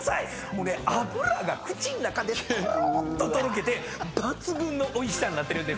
もうね脂が口ん中でとろーっととろけて抜群のおいしさになってるんですよね。